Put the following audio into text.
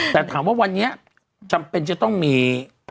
แต่ถามว่าวันนี้จำเป็นจะต้องมี